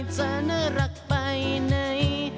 ฉันรักไปไหน